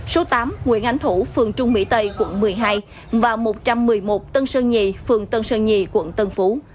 số tám nguyễn ánh thủ phường trung mỹ tây quận một mươi hai và một trăm một mươi một tân sơn nhì phường tân sơn nhì quận tân phú